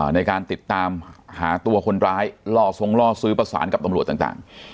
ในการติดตามหาตัวคนร้ายล่อทรงล่อซื้อประสานกับตำรวจต่าง